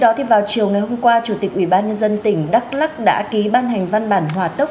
trong khi đó vào chiều ngày hôm qua chủ tịch ubnd tỉnh đắk lắc đã ký ban hành văn bản hòa tốc